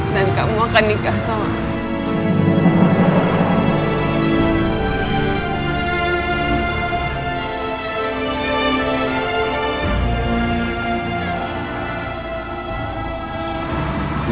dan kamu akan nikah sama aku